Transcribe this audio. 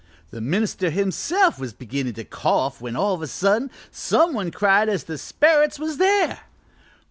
The minister himself was beginnin' to cough when, all of a sudden, some one cried as the Sperrits was there.